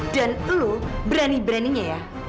dan lu berani beraninya ya